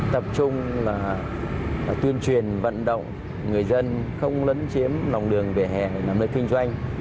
tập trung là tuyên truyền vận động người dân không lấn chiếm lòng đường vỉa hè nằm nơi kinh doanh